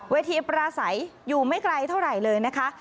ปราศัยอยู่ไม่ไกลเท่าไหร่เลยนะคะ